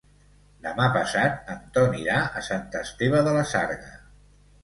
Demà passat en Ton irà a Sant Esteve de la Sarga.